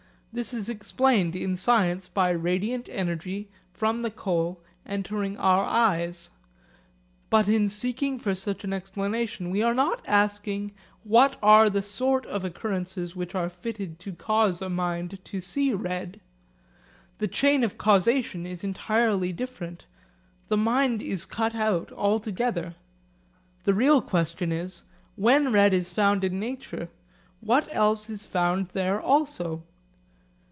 This is explained in science by radiant energy from the coal entering our eyes. But in seeking for such an explanation we are not asking what are the sort of occurrences which are fitted to cause a mind to see red. The chain of causation is entirely different. The mind is cut out altogether. The real question is, When red is found in nature, what else is found there also?